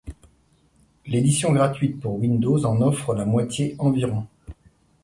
L'édition gratuite pour Windows en offre la moitié environ.